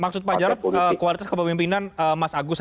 maksud anda maksud pak jarod kualitas kepemimpinan mas agus agus itu apa